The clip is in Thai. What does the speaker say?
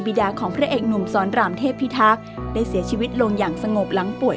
ดาของพระเอกหนุ่มสอนรามเทพิทักษ์ได้เสียชีวิตลงอย่างสงบหลังป่วย